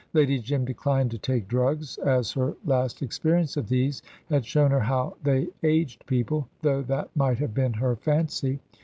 Lady Jim declined to take drugs, as her last experience of these had shown her how they aged people, though that might have been her fancy.